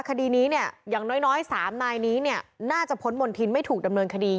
คดีนี้เนี้ยอย่างน้อยน้อยสามนายนี้เนี้ยน่าจะพ้นบ่นทิ้นไม่ถูกดำเนินคดี